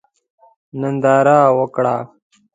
ننداره وکړه.